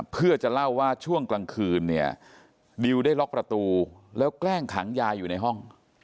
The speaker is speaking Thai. เพื่อจะเล่าว่าช่วงกลางคืนเนี่ยดิวได้ล็อกประตูแล้วแกล้งขังยายอยู่ในห้อง